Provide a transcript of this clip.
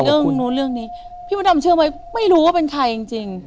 เรื่องนู้นเรื่องนี้พี่มดดำเชื่อไหมไม่รู้ว่าเป็นใครจริง